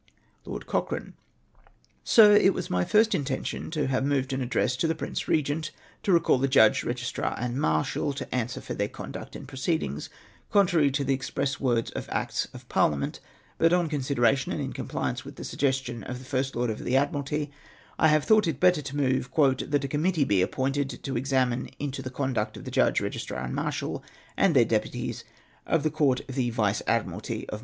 Loud Cochrane. — Sir : It was at first my intention, to have moved an address to the Prince Eegent, to recall the judge, registrar, and marshal, to answer for their conduct and proceedings, contrary to the express words of acts of parliament; but on consideration, and in compliance witli the suggestion of the First Lord of the Admiralty, I have thought it better to move, " That a committee be appointed to examine, into the conduct of the judge, registrar, and marshal, and their deputies, of the Court of Vice Admiralty VOL.